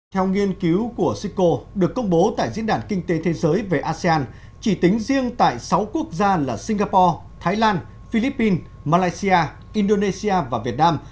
theo nghiên cứu của sico được công bố tại diễn đàn kinh tế thế giới về asean chỉ tính riêng tại sáu quốc gia là singapore thái lan philippines malaysia indonesia và việt nam